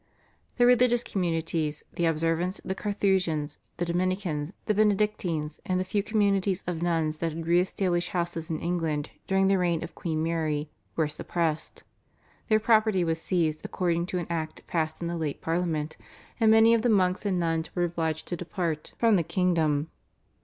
The religious communities, the Observants, the Carthusians, the Dominicans, the Benedictines, and the few communities of nuns that had re established houses in England during the reign of Queen Mary, were suppressed; their property was seized according to an Act passed in the late Parliament, and many of the monks and nuns were obliged to depart from the kingdom.